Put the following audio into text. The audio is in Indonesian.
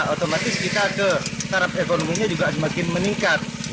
otomatis kita ke tarap ekonominya juga semakin meningkat